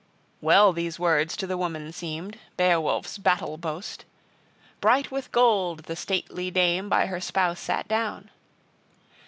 Well these words to the woman seemed, Beowulf's battle boast. Bright with gold the stately dame by her spouse sat down.